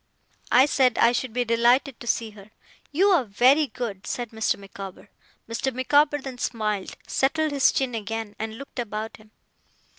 I said I should be delighted to see her. 'You are very good,' said Mr. Micawber. Mr. Micawber then smiled, settled his chin again, and looked about him.